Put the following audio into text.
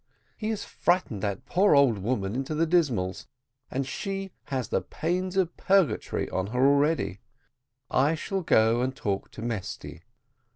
"He has frightened that poor old woman into the dismals, and she has the pains of purgatory on her already. I shall go and talk to Mesty."